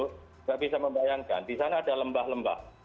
tidak bisa membayangkan di sana ada lembah lembah